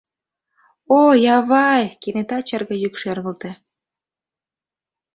— Ой, ав-вай! — кенета чарга йӱк шергылте.